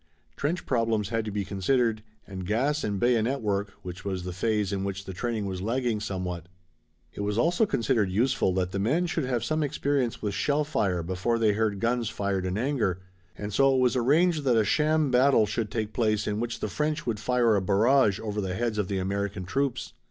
Trench problems had to be considered and gas and bayonet work which was the phase in which the training was lagging somewhat. It was also considered useful that the men should have some experience with shell fire before they heard guns fired in anger, and so it was arranged that a sham battle should take place in which the French would fire a barrage over the heads of the American troops.